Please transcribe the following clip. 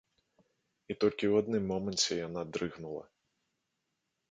І толькі ў адным моманце яна дрыгнула.